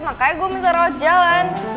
makanya gue minta rawat jalan